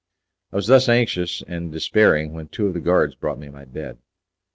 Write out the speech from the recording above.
I was thus anxious and despairing when two of the guards brought me my bed.